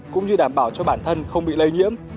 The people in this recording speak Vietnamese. cũng như đảm bảo cho bản thân không bị lây nhiễm